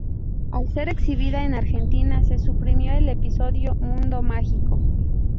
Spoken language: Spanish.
Al ser exhibida en Argentina se suprimió el episodio "Mundo mágico".